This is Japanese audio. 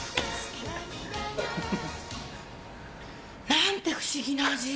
何て不思議な味。